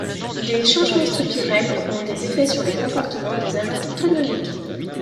Des changements structurels auront des effets sur le comportement des agents économiques.